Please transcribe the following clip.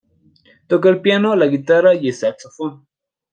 Toca el piano, la guitarra, y el saxofón.